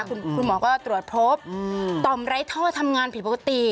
คุณหมอก็ตรวจพบต่อมไร้ท่อทำงานผิดปกติ